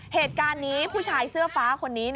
เหตุการณ์นี้ผู้ชายเสื้อฟ้าคนนี้